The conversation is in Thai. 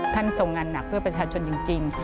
ทรงงานหนักเพื่อประชาชนจริง